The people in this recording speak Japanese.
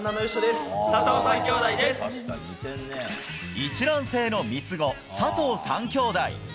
一卵性の三つ子、佐藤三兄弟。